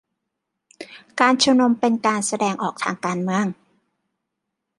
การชุมนุมเป็นการแสดงออกทางการเมือง